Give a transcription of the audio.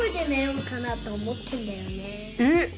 えっ！